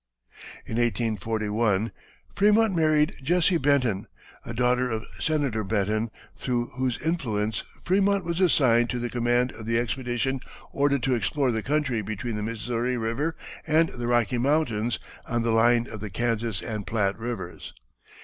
[Illustration: Jessie Benton Frémont.] In 1841 Frémont married Jessie Benton, a daughter of Senator Benton, through whose influence Frémont was assigned to the command of the expedition ordered to explore the country between the Missouri River and the Rocky Mountains on the line of the Kansas and Platte Rivers.